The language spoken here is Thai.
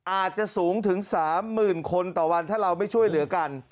อาจจะสูงถึง๓๐๐๐คนต่อวันถ้าเราไม่ช่วยเหลือกัน